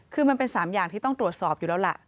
คือมันเป็น๓อย่างที่ต้องตรวจสอบอยู่แล้วล่ะ